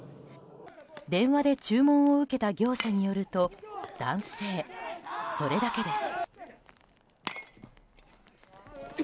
電話で注文を受けた業者によると男性、それだけです。